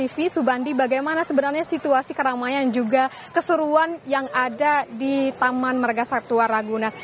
masni bagaimana situasi keramaian dan keseruan yang ada di taman marga satwa ragunan